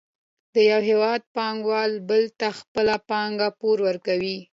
د یو هېواد پانګوال بل ته خپله پانګه پور ورکوي